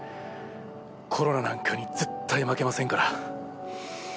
コロナなんかに絶対負けませんから。